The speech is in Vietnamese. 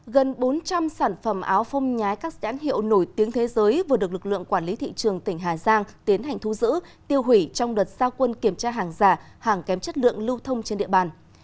gần bốn trăm linh sản phẩm áo phông nhái các nhãn hiệu nổi tiếng thế giới vừa được lực lượng quản lý thị trường tỉnh hà giang tiến hành thu giữ tiêu hủy trong đợt giao quân kiểm tra hàng giả hàng kém chất lượng lưu thông trên địa bàn